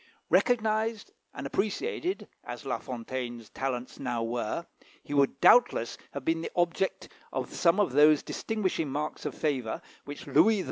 Recognised and appreciated as La Fontaine's talents now were, he would doubtless have been the object of some of those distinguishing marks of favour which Louis XIV.